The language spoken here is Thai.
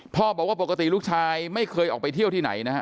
พ่อบอกว่าปกติลูกชายไม่เคยออกไปเที่ยวที่ไหนนะฮะ